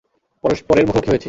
পরস্পরের মুখোমুখি হয়েছি!